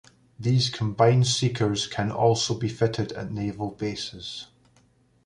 These combined seekers can also be fitted at naval bases.